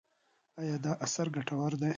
ایا دا اثر ګټور دی؟